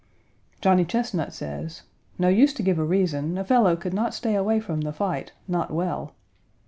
Johnny Chesnut says: "No use to give a reason a fellow could not stay away from the fight not well."